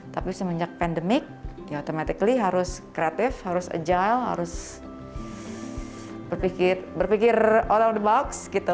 tapi semenjak pandemik ya automatically harus kreatif harus agile harus berpikir all of the box gitu